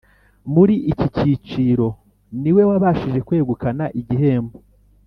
Muri iki cyiciro ni we wabashije kwegukana igihembo